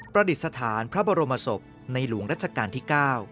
ประดิษฐานพระบรมศพในหลวงรัชกาลที่๙